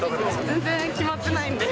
全然決まってないんで。